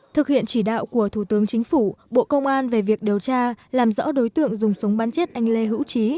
thực hiện chỉ đạo của thủ tướng chính phủ bộ công an về việc điều tra làm rõ đối tượng dùng súng bắn chết anh lê hữu trí